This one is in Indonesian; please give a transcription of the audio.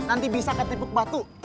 nanti bisa ketipuk batu